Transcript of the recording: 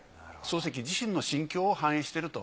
漱石自身の心境を反映していると。